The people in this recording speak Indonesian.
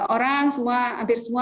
orang hampir semua